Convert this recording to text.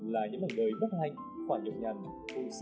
là những lần đời bất hạnh khỏa nhộn nhằn ô sinh kiêm sử